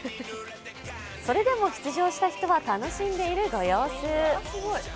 それでも出場した人は楽しんでいるご様子。